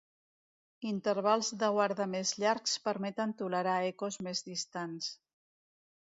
Intervals de guarda més llargs permeten tolerar ecos més distants.